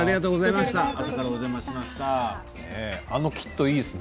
あのキットいいですね